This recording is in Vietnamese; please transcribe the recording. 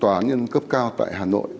tòa án nhân cấp cao tại hà nội